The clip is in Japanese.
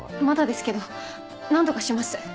まだですけど何とかします。